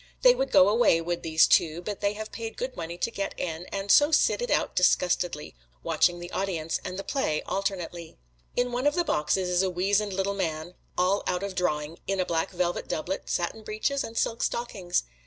They would go away, would these two, but they have paid good money to get in, and so sit it out disgustedly, watching the audience and the play alternately. In one of the boxes is a weazened little man, all out of drawing, in a black velvet doublet, satin breeches and silk stockings.